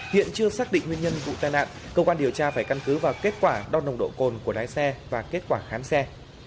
hiện chưa xác định nguyên nhân vụ tai nạn cơ quan điều tra phải căn cứ vào kết quả đo nồng độ cồn của lái xe và kết quả khám xe